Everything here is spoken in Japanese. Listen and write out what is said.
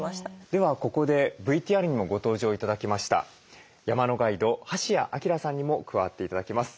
ではここでＶＴＲにもご登場頂きました山のガイド橋谷晃さんにも加わって頂きます。